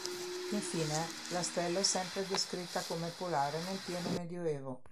Infine, la stella è sempre descritta come "polare" nel pieno Medioevo.